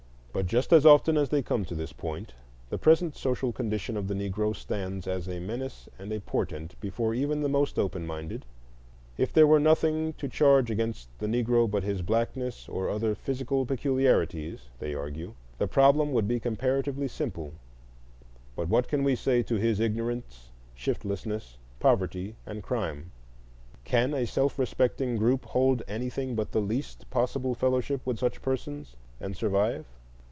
But just as often as they come to this point, the present social condition of the Negro stands as a menace and a portent before even the most open minded: if there were nothing to charge against the Negro but his blackness or other physical peculiarities, they argue, the problem would be comparatively simple; but what can we say to his ignorance, shiftlessness, poverty, and crime? can a self respecting group hold anything but the least possible fellowship with such persons and survive?